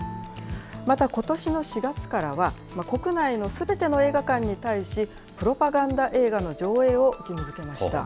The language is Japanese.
また、ことしの４月からは、国内のすべての映画館に対し、プロパガンダ映画の上映を義務づけました。